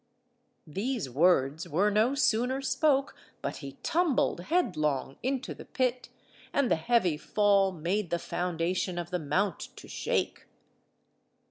These words were no sooner spoke, but he tumbled headlong into the pit, and the heavy fall made the foundation of the Mount to shake.